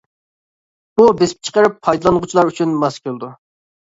بۇ بېسىپ چىقىرىپ پايدىلانغۇچىلار ئۈچۈن ماس كېلىدۇ.